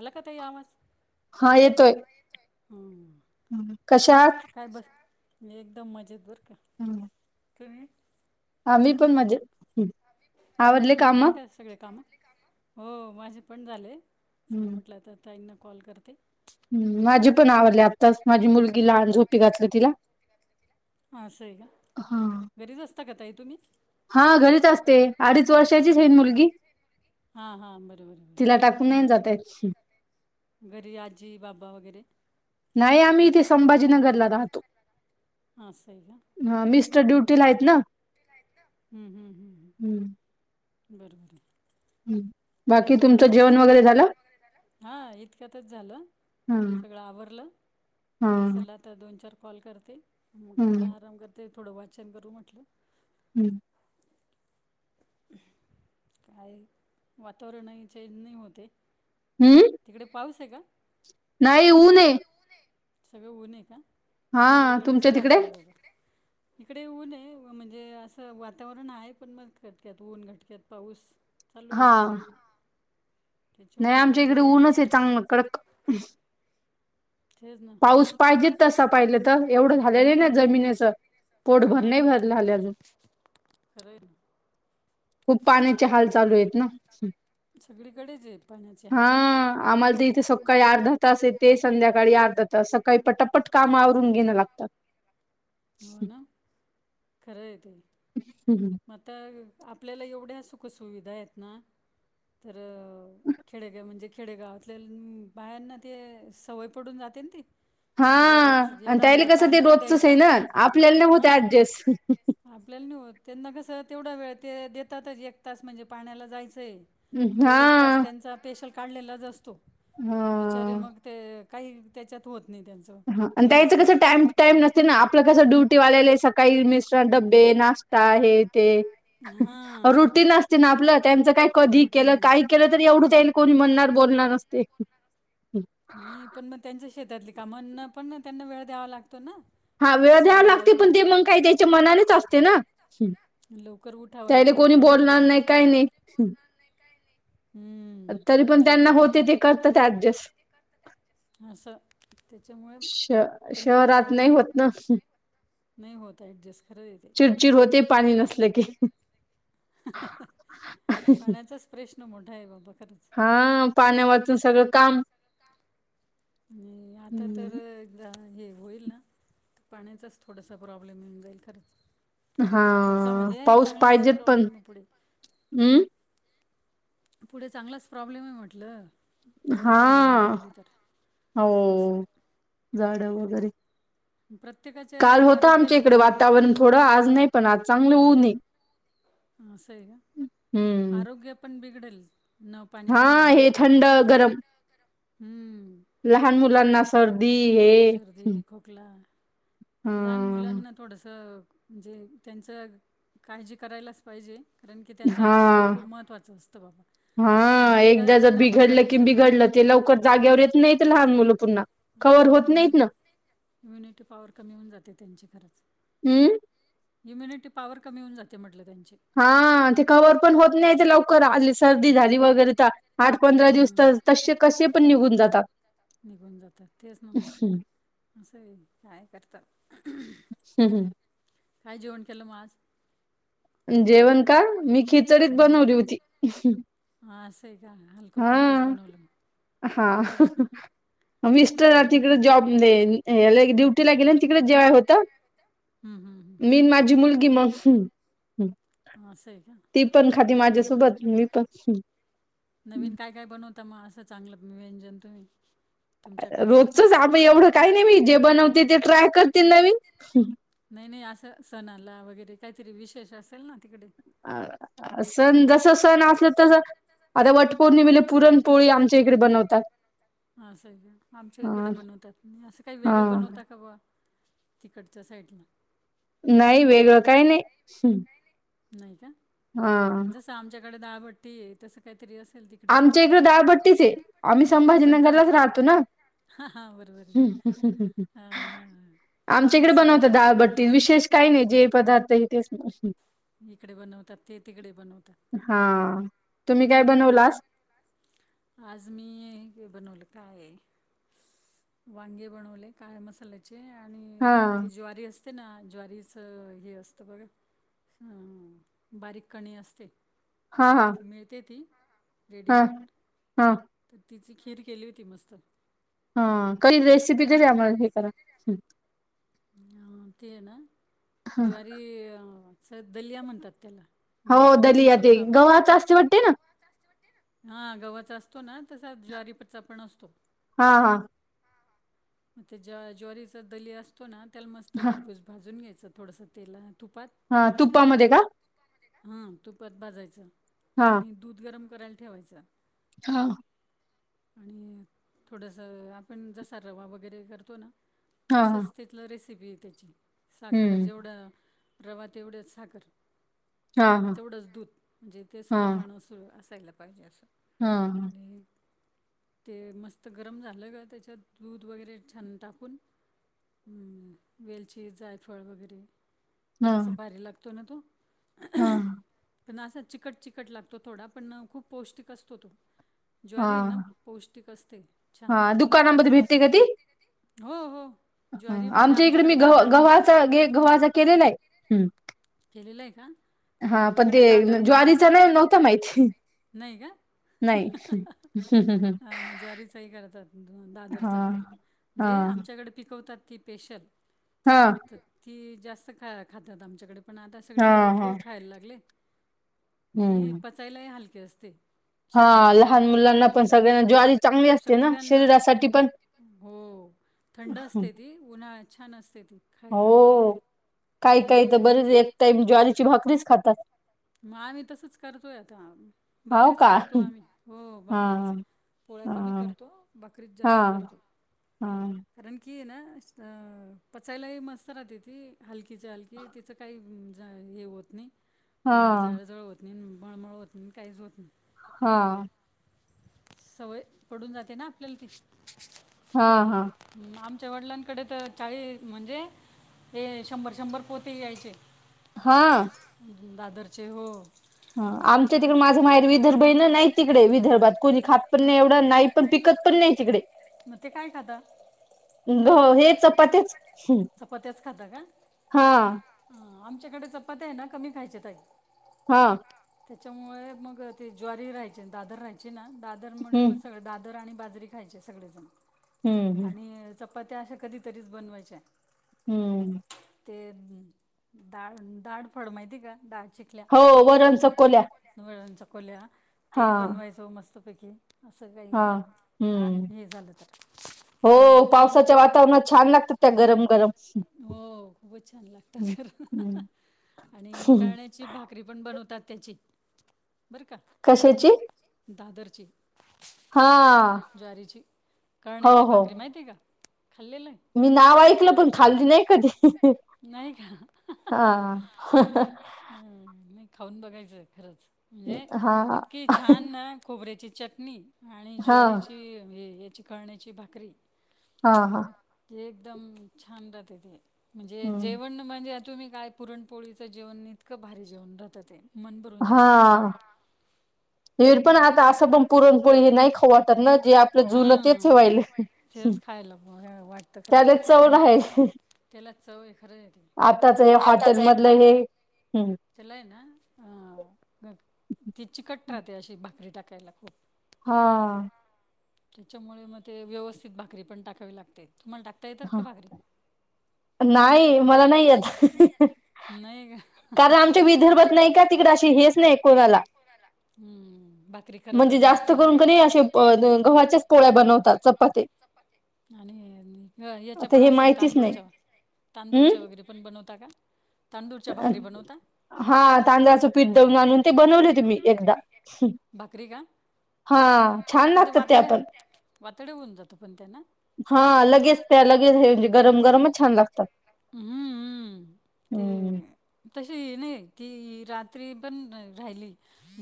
आला का ताई आवाज हा येतोय हा येतोय. कशा आहात. काय बस मी एकदम मजेत बर का हम्म. कही. आम्ही पण माझ्या. झालं काय सगळे काम. हो माझे पण झालं चला म्हटलं तर ताईंना कॉल करते. ह् माझी पण आवडली आत्ताच माझी मुलगी लहान झोपी घातली तिला. हा असं आहे का घरीच असता का तई तुम्ही. हा घरीच असते अडीच वर्षाचीच आहेन मुलगी. हा हा बरो बर तिला टाकून बर नाही म्हणून. जाता येत. घरी आजी बाबा वगैरे. नाही आम्ही इथे संभाजीनगरला राहतो. हां असं आहे का हा मिस्टर ड्युटीला आहेत ना. बरंबर आहे. बाकी तुमचं जेवण वगैरे झालं. हा इतक्यातच झालं हा सगळं आवरलं म्हटलं सलात. आता दोन चार कॉल करते मग थोडं हम्म आराम करते थोडं वाचन करू म्हटलं. हम्म. काय. वातावरणही चेंज नाही होते. हम्म. तिकडे पाऊस हे का. नाही ऊन. सगळं ऊन आहे का हा सगळीकडे तुमच्या तिकडे सारखं आहे बघा. इकडे ऊन आहे म्हणजे असं वातावरण आहे पण मग खटक्यात ऊन घटक्यात पाऊस. चालू हा आहे नाही त्याच्यामुळे मग आमच्या इकडे ते ऊनचे. चांगलं कडक. तेच ना पाऊस पाहिजे तसा पाहिलं त. एवढं झाले नाही हम्म ना हम्म. जमिनीचं. पोटभर नाही भर नाही झाले अजून. खरय ना. खूप पाण्याचे हाल चालूयेत ना. सगळीकडेच आहे पाण्याचे हा हाल आम्हाला त इथे सकाळी त्याच्यामुळे अर्धा तास येते. संध्याकाळी अर्धा तास. सकाळी पटपट काम आव रुन घेन लागतात. खरय ते. हम्म हम्म. म आता आपल्याला एवढ्या सुखसुविधायेत ना, तर खेडेगे, म्हणजे खेडेगावात [unintelligible] बायांना ते सवय पडून जाते ना ती. हा, आता बाबा आणि एवढा त्याला वेळ कसं ते पाण्याला रोजचंच द्यायचा हेना. आपल्याला नाही होत हां ऍडजस्ट. आपल्याला नाही होत. त्यांना कसं तेवढा वेळ ते देतातच. एक तास म्हणजे पाण्याला जायचंय. तो हा एक तास त्यांचा स्पेशल काढलेलाच असतो. हा बिचारे मग ते काही त्याच्यात होत नाही त्यांचं. हा आणि त्याचं व्यवस्थित. कसं टाइम टाइम नसते आपलं कसं ड्युटी वालेले सकाळी मिश्र डबे, नाश ष्टा. हे ते. हा रुटीन असते ना आपलं. त्यांच काय कधी केलं, काही केलं एवढं त्याईल कोणी म्हणणार बोलणार असते. असते नाही पण मग, त्यांच्या शेतातली कामांना पण त्यांना वेळ द्यावा लागतो ना. हा ते वेळ द्यावा सगळं लागते. आवरून पण ते मग काही त्याच्या मनानेच असते ना. लवकर उठावं त्यायले लागतं कोणी त्यांना बोलणार पण नाही. काही नाही. हम्म. तरी पण ते त्यांना आहे होते. ते करतात ऍडजस्ट. असं त्याच्यामुळे श त्यांना शहरात नाही होत ना. नाही होत ऍडजस्ट. खरय ते. चिडचिड होते. पाणी नसलं की. पाण्याचाच प्रश्न मोठाय बाबा खरंच. हा, पाण्या वाचून सगळं काम का नाही आता तर हे होईल ना, पाण्याचाच थोडासा प्रॉब्लेम येऊन जाईल खरंच. हा थोडासा म्हणजे पाऊस चांगलाच पाहिजेेत पण. प्रॉब्लेम आहे पुढे अम्म. पुढे चांगलाच प्रॉब्लेमे म्हटलं. जर हा झाडांनी लावली तर, असं. झाडं वगैरे प्रत्येकाचे काल होत आमच्या इकडे वातावरण थोडं. आज नाही. पण आज चांगलं ऊने. असंय का? आरोग्य पण बिघडेल. न पाणी हा पडल्यामुळे हे पण. थंड गरम हम्म. लहान मुलांना सर्दी हे, सर्दी, खोकला लहान हा मुलांना थोडसं, म्हणजे त्यांचं काळजी करायलाच पाहिजे. कारण की, त्यांचं आरोग्य हा खूप महत्त्वाचं असतं बाबा. आणि हा ते काय एकदा जर पंधरा पंधरा बिघडलं कि, दिवसात बिघडलं. इम्युनिटी ते लवकर जागेवर येत नाहीत. लहान मुलं पुन्हा. कवर होत नाहीत इम्युनिटी न, इम्युनिटी पावर कमी होऊन जाते त्यांची खरंच, हम्म इम्युनिटी पॉवर कमी होऊन जाते म्हटलं त्यांची हा ते कवर पण होत नाही ते लवकर आली सर्दी झाली वगैरे ता आठ पंधरा दिवस हां. तर तसे कसे पण निघून जातात. निघून जातात. तेच ना मग हम्म, असं आहे. काय करतात. हम्म. काय जेवण केलं मग आज. जेवण का? मी खी खिचडीच बनवली होती. हां असं आहे का हलकं हा, फुलकंच बनवलं मग हा हा.. तेच ना मिस्टर चांगले तिकडे जॉब देन याले ड्युटीला गेलं तिकडे जेवाय होतं. हम्म हम्म मी हम्म माझी मुलगी मग ह, असं आहे का ती पण खाती माझ्यासोबत मी पण. नवीन काय काय बनवता मग असं चांगलं व्यंजन तुम्ही. तुमच्याकडचं रोजचच आब एवढं काही नाही बाई जे बनवते ते ट्राय करते नवीन. नाही नाही असं सणाला वगैरे काहीतरी विशेष असेल ना, तिकडे. अ सण जसा सण असल तस आता वटपौर्णिमेला पुरणपोळी आमच्या इकडे बनवतात. असं आहे का आमच्या इकडे ह बनवतात. असं काही हा वेगळं बनवता का बा तिकडच्या साईडला. नाही. वेगळं काही नाही. नाही का? हा, जसं आमच्याकडे दाळभट्टी आहे. तसं काहीतरी असेल ती. आमच्या इकडे दाळभट्टीच हे. आम्ही बनता संभाजीनगरलाच राहतो ना, हां हां बरोबर आहे हां हां आमच्या मग इकडे बनवता सगळीकडेच दाळबट्ट विशेष काही नाही जे पदार्थ आहे तेच इकडे बनवतात. ते तिकडे बनवतात. हा, तुम्ही काय बनवलास. आज मी हे बनवलं काय वांगे बनवले काय मसाल्या चे आणि हा ते ज्वारी असते ना, ज्वारीच हे असतं बघा अ.., बारीक कणी असते. हा हा, मिळते ती हं रेडीमेड हं, तिची खीर केली होती मस्त मी. हा, काही रेसिपी तरी आम्हाला हे करा. अ ते आहे ना, हा, ज्वारी च दलिया म्हणतात त्याला. हो घरी पण बनवू दलिया ते शकतो आपण गव्हाच असते वाटते ना, हा गव्हाचा असतो ना, तसा ज्वारीपचा पण असतो. हा हा, त्याज्या ज्वारीचा दलिया असतो ना, त्याला मस्त हा खरपूस भाजून घ्यायचं थोडंसं तेला तुपात हा तुपामध्ये का? ह तुपात भाजायचं हा आणि दूध गरम करायला ठेवायचा. हो. आणि थोडंसं आपण जसा रवा वगैरे करतो ना हा हा तसंच तिथलं रेसिपी ये त्याची, साखर हम्म जेवढं रवा तेवढच साखर, हा हा तेवढंच दूध, म्हणजे तेच हा प्रमाण असायला पाहिजे असं, हा आणि ते मस्त गरम झालं का त्याच्यात दूध वगैरे छान टाकून हम्म वेलची, जायफळ वगैरे असं भारी लागतो ना तो. हां. पण असा चिकट चिकट लागतो थोडा पण खूप पौष्टिक असतो तो. ज्वारी ये ना हा पौष्टिक असते छान, हा दुकानामध्ये हो हो. ह ज्वारी म्हणजे आमच्या इकडे मी आमच्याकडे गव दादर म्हणतात गव्हाच- गव्हाच केलेल आय. केलेल आय का? ते आमच्याकडे दादर म्हणतात, ज्वारीचा नाही नव्हता माहिती नाही का? नाही हा म ज्वारीचाही करतात, हा दादरचा. हा जे आमच्याकडे पिकवतात ती स्पेशल. हां. ती जास्त ख खातात आमच्याकडे, पण आता हा सगळीकडेच गहू हा खायला लागले ती हम्म पचायलाही हलकी असते. हा शरीराला, लहान मुलांना पण सगळ्यांना ज्वारी चांगली असते ना सगळ्यांना बिल शरीरासाठी पण हो. थंड असते ती, उन्हाळात छान असते ती खायला. हो काही काही म्हणून त बरेच एक टाईम ज्वारीची भाकरीच खातात. म आम्ही तसच करतोय आता, हाव बाकरीच का करतोय आम्ही, हो हा बाकरीच पोळ्या कमी हा करतो, बाकरीत जास्त करतो. हां. कारण की ये ना पचायलाही मस्त राहते ती, हलकीच्या हलकी तिच काही ज हे होत नाही हं हा हा जळजळ होत नाही, मळमळ होत नाही, काहीच होत नाही. हां. सवय पडून जाते ना आपल्याला ती. हां हां. आमच्या वडिलांकडे तर चाळी म्हणजे हे शंभर शंभर पोती यायचे. हां. अं, दादरचे हो. ह आमच्या तिकडे माझं माहेर विदर्भ हे ना नाही तिकडे विदर्भात कोणी खात पण नाही एवढं, नाही पण पिकत पण नाही तिकडे. म ते काय खाता? घ हे चपात्याचं. चपात्याच खाता का? आमच्याकडे चपात्या आहे ना कमी खायच्या ताई. हां. त्याच्यामुळे मग ते ज्वारी राहायचे, दादर राहायचे ना, दादर मुळे मग हम्म सगळे दाद दर आणि बाजरी खायचे सगळेजण, हम्म आणि चपात्या अशा कधीतरीच बनवायच्या. हम्म. ते दाळ दाळ फळ माहिती ये का? डाळ चिखल्या हो वरण चकोल्या. वरण चकोल्या हा ते बनवायचं मस्त पैकी. असं काही हा आ हम्म हे झालं तर, हो म बाकी पावसाच्या वातावरणात छान लागतात त्या गरम गरम हो खूपच छान लागतात हम्म ख आणि हम्म. काण्या भाकरी पण बनतात त्याची बर का कशाची? दादरची. हा ज्वारीची हो कळण्याची हो भाकरी माहिती आहे का खाल्लेलं आहे. मी नाव ऐकलं पण खाल्ली नाही कधी. नाही का हा हा नाही खाऊन बघायचंय खरंच म्हणजे हा इतकीे हा छान खबऱ्याची चटणी आणि ज्वारीची याची कळण्याची भाकरी हा हा ज एकदम छान राहते ते म्हणजे हम्म जेवण म्हणजे तुम्ही काय पुरणपोळीचं जेवण इतकं भारी जेवण राहत ते मन भरवून जातं खाव हा पण आता असं पण पुरणपोळी हे नाही खवतात ना जे तेच ठेवायला तेच खायला वाटतं खरं त्याला चव आणि आहे त्याला चवय खरंच येतील आताच हम्म चलाय ना ती चिकट राहते अशी भाकरी टाकायला खूप. हा. त्याच्यामुळे मग ते व्यवस्थित भाकरी पण टाकावी लागते, तुम्हाला टाक. त्या येतात ह का, भाकरी. नाही मला नाही, येत मला नाही येत, नाही का. अरे आमच्या विदर्भात नाही का तिकडे अशी हेच नाही कोणाला हम्म, भाकरी. म्हणजे करतच जास्त नसतील ना करून कधी, असे गव्हाच्याच पोळ्या बनवतात चपाती. आणि याच्या आता पण हे असेल माहितीच नाही तांदूळच्या, हम् तांदूळच्या वगैरे. पण बनवता का, तांदूळच्या भाकरी बनवता. हा, तांदळाचं पीठ दळुन आणून ते बनवले त मी एकदा. भाकरी का हा, छान पण ते लागतात त्या वातड्या पण. वातडे होऊन जातं पण त्यांना हा लगेच, त्या लगेच हे म्हणजे गरम गरमच छान लागतात. हम्म, हम् ते. हम्म अ नाही ती रात्री पण राहिली.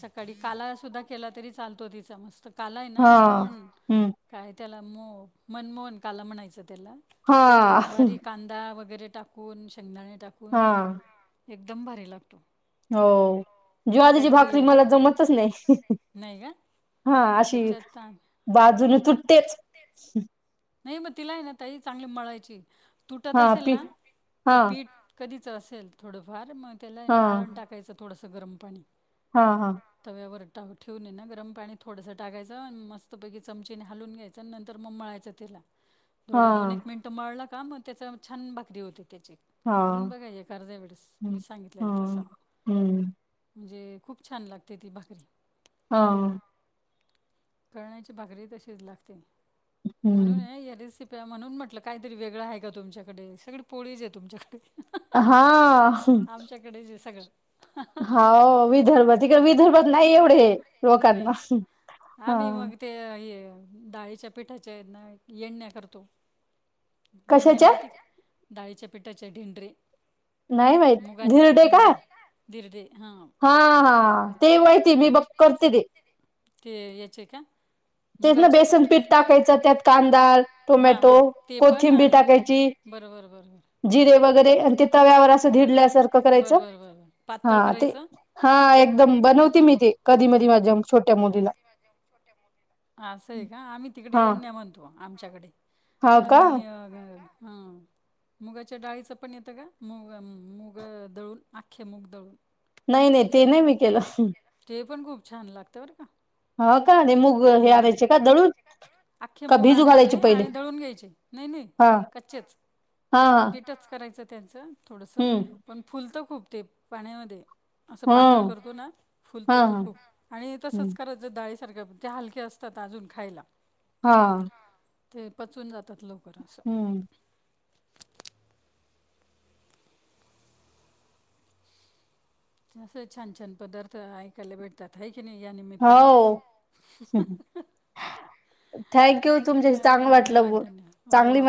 सकाळी काला सुद्धा केला तरी चालतो तिचा मस्त. काला आहे ना, हा मोहन हम्म काय, त्याला मो मनमोहन काला म्हणायचं त्याला. तर तो भारी हा कांदा वगैरे, टाकून शेंगदाणे टाकून. हा. हां. एकदम भारी लागतो. हो, ज्वारीची काहीतरी भाकरी मला जमतच नाही. नाही का? हा अशी त्याच्यात आम- बाजून आम्ही तुटतेच. नाही मग तिला आहे ना ताई, चांगली मळायची, तुटत हा असेल पी ना ते हा पीठ. कधीचं असेल थोडंफार, मग त्याला हा ना आळण टाकायचं, थोडंसं गरम पाणी. हा हा. तव्यावर टाकून ना गरम पाणी थोडंसं टाकायचं, मस्तपैकी चमचेने हालून घ्यायचं, आणि नंतर मग मळायचं. त्याला हा थोडं दोन, एक मिनिटं मळलं का मग त्या छान भाकरी होते त्याची. करून हा बघा, एखाद्या वेळेस हं मी सांगितलेलं तसं. हं हं म्हणजे खूप छान लागते ती भाकरी. हा. कण्याची भाकरी तशीच लागते. म्हणून हं आहे या रेसिपी. म्हणून म्हटलं, काहीतरी वेगळं आहे का तुमच्याकडे? सगळी पोळीच आहे तुमच्याकडे. हा. कडे जे सगळं. होव, विदर्भात इकडे, विदर्भात नाही एवढे लोकांना नाही. हा. आम्ही मग ते हे डाळीच्या पिठाच्या येडण्या करतो. येडन्या कशाच्या? माहिती का? डाळीच्या पिठाचे ढिंडरे. नाही माहित मुगाच धिरडे मुग का? धिरडे हा. हा, हा ते माहिती मी बघ करते ते. ते याचे का. तेथं ना मुगाचे बेसन पीठ. टाकायचा. त्यात कांदा, हां टोमॅटो, हां ते पण कोथिंबीर आणि टाकायची. बरं बरं बरं बरं जिरे वगैरे, आणि ते तव्यावर असं धिडल्यासारखं करायचं बरं बरं बरं बरं हा पातळ ते. करायचं हा एकदम बनवते, मी ते कधी, मधी माझ्या छोट्या मुलीला हा असं आहे का, आम्ही तिकडे हा येन्या म्हणतो आमच्याकडे. हा का आणि अ हा. मुगाच्या डाळीचं पण येतं का, मुग, मुग दळून आख्खे मुग दळून. नाही -नाही ते नाही मी केलं. ते पण खूप छान लागतं बर का. हो का आणि मूग हे हम्, आणायचे का दळून [inaudible] आखे का मूग भिजू आणायचे, घालायचे पहिले आणि दळून घ्यायचे. नाही नाही हा कच्चेच हा हा पीठच करायचं. त्यांच थोडस हम्म पण फुलत खूप ते पाण्यामध्ये. असं पातळ हम्म करतो ना हा फुलतं ते हा खूप आणि तसंच हम्म करायच डाळी सारख्या ते हलक्या असतात अजून खायला. हा. ते पचून जातात लवकर अस. हम्म. अस छान छान पदार्थ ऐकायला भेट. त्या हय की नाही या निमित्ताने हा हा. हो हा थँक्यू थँक्यू तुमच्याशी थँक्यू चांगलं धन्यवाद वाटलं धन्यवाद चांगली हो. माहिती